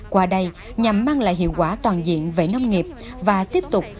qua đây nhằm mang lại hiệu quả toàn diện về nông nghiệp và tiếp tục